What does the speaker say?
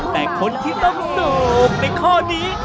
แต่คนที่ต้องโหนกในข้อนี้